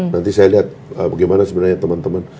nanti saya lihat bagaimana sebenarnya teman teman